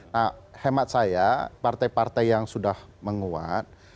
nah hemat saya partai partai yang sudah menguat